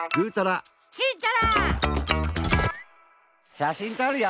しゃしんとるよ！